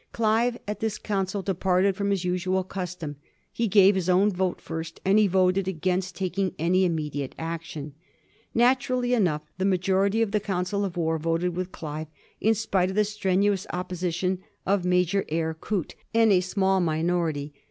Clive at this council departed from his usual custom. He gave his own vote first, and he voted against taking any immedi ate action. Naturally enough, the majority of the coun cil of war voted with Clive, in spite of the strenuous op position of Major Eyre Coote and a small minority.